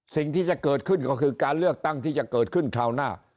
สิ่งที่จะเกิดขึ้นก็คือการเลือกตั้งที่จะเกิดขึ้นคราวหน้า